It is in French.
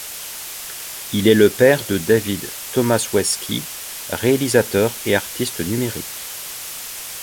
Il est le père de David Tomaszewski, réalisateur et artiste numérique.